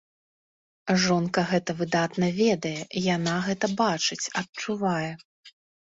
Жонка гэта выдатна ведае, яна гэта бачыць, адчувае.